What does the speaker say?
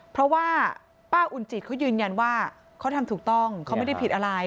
เพราะว่าป้าอุ่นจิตเขายืนยันว่าเขาทำถูกต้องเขาไม่ได้ผิดอะไร